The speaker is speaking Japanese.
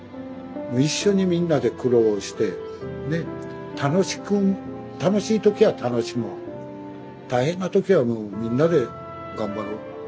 一緒にみんなで苦労してね楽しく楽しい時は楽しもう大変な時はもうみんなで頑張ろう。